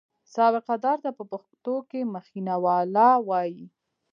سابقه دار ته په پښتو کې مخینه والا وایي.